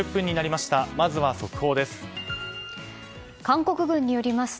まずは、速報です。